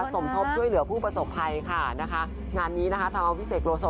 สมทบช่วยเหลือผู้ประสบภัยค่ะนะคะงานนี้นะคะทำเอาพี่เสกโลโซ